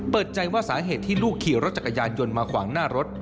เปิดใจว่าสาเหตุที่ลูกขี่รถจักรยานยนต์มาขวางหน้ารถ